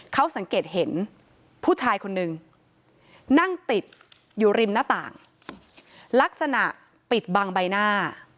เขาสังเกตเห็นผู้ชายคนนึงนั่งติดอยู่ริมหน้าต่างลักษณะปิดบังใบหน้า